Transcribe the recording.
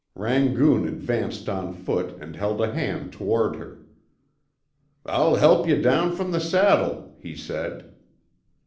Rangoon advanced on foot, and held a hand toward her. "I'll help yuh down from the saddle," he said.